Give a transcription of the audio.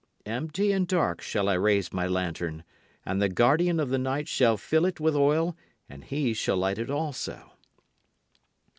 Empty and dark shall I raise my lantern, And the guardian of the night shall fill it with oil and he shall light it also.